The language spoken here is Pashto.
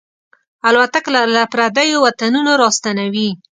الوتکه له پردیو وطنونو راستنوي.